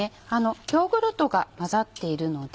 ヨーグルトが混ざっているので。